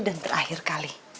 dan terakhir kali